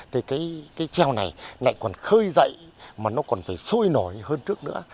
thì cái trèo này lại còn khơi dậy mà nó còn phải sôi nổi hơn trước nữa